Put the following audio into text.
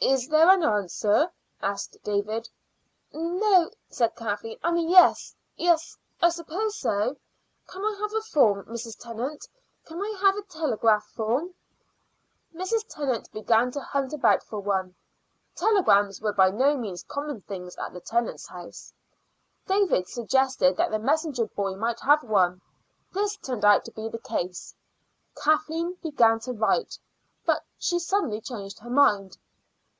"Is there an answer?" asked David. "No," said Kathleen. "I mean yes. Yes, I suppose so. Can I have a form? Mrs. Tennant, can I have a telegraph form?" Mrs. Tennant began to hunt about for one. Telegrams were by no means common things at the Tennants' house. David suggested that the messenger boy might have one. This turned out to be the case. Kathleen began to write, but she suddenly changed her mind.